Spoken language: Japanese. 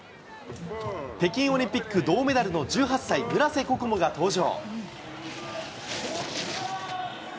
北京オリンピック銅メダルの１８歳、村瀬心椛が登場。